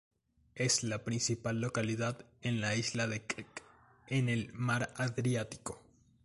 Es la principal localidad en la isla de Krk en el mar Adriático.